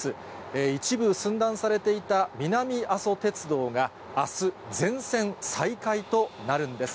一部寸断されていた南阿蘇鉄道が、あす、全線再開となるんです。